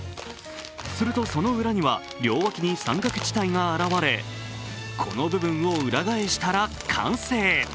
するとその裏には両脇に三角地帯が現れ、この部分を裏返したら完成。